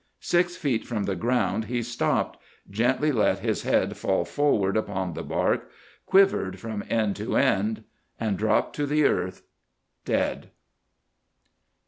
Six feet from the ground he stopped, gently let his head fall forward upon the bark, quivered from end to end, and dropped to the earth, dead.